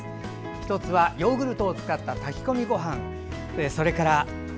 １つはヨーグルトを使った炊き込みごはん。